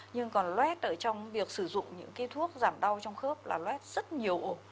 nhưng còn loét ở trong việc sử dụng những cái thuốc giảm đau trong khớp là loét rất nhiều ổ